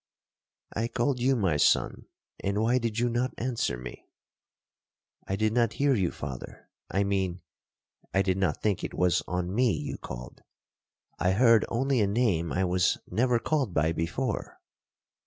'I called you, my son, and why did you not answer me?'—'I did not hear you, father—I mean, I did not think it was on me you called. I heard only a name I was never called by before.